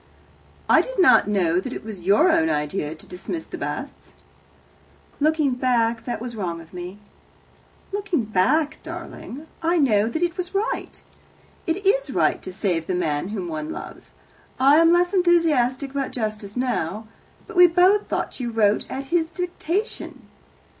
"I did not know that it was your own idea to dismiss the Basts." "Looking back, that was wrong of me." "Looking back, darling, I know that it was right. It is right to save the man whom one loves. I am less enthusiastic about justice now. But we both thought you wrote at his dictation.